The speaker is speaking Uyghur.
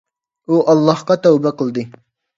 ئۇ ئاللاھقا تەۋبە قىلدى.